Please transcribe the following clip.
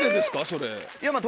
それ。